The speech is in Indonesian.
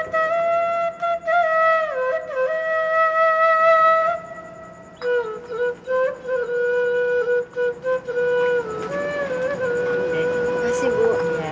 terima kasih bu